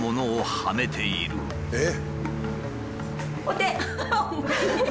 えっ！